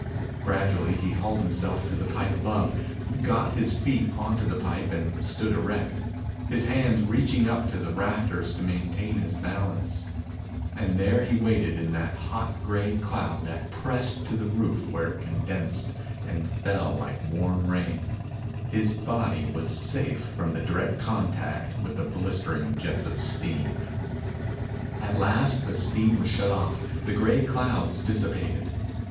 Gradually, he hauled himself to the pipe above, got his feet onto the pipe and stood erect, his hands reaching up to the rafters to maintain his balance. And there he waited in that hot gray cloud that pressed to the roof where it condensed and fell like warm rain. His body was safe from direct contact with the blistering jets of steam. At last the steam was shut off, the gray clouds dissipated.